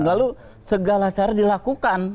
lalu segala cara dilakukan